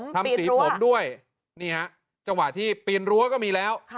ทำสีผมปีนรั้วจังหวะที่ปีนรั้วก็มีแล้ว